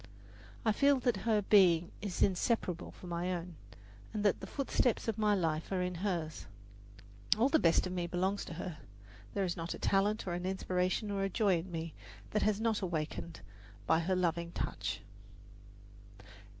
I feel that her being is inseparable from my own, and that the footsteps of my life are in hers. All the best of me belongs to her there is not a talent, or an aspiration or a joy in me that has not been awakened by her loving touch.